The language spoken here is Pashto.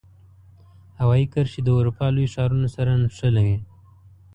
هوایي کرښې د اروپا لوی ښارونو سره نښلوي.